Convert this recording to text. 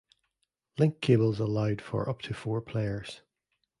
Link cables allowed for up to four players.